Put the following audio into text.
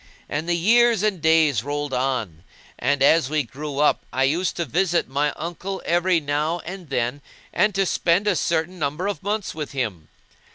And years and days rolled on; and, as we grew up, I used to visit my uncle every now and then and to spend a certain number of months with him.